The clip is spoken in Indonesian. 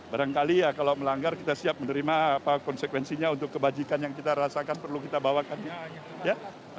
barangkali ya kalau melanggar kita siap menerima konsekuensinya untuk kebajikan yang kita rasakan perlu kita bawakan